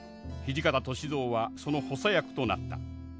土方歳三はその補佐役となった。